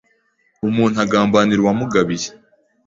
Umuntu agambanira uwamugabiye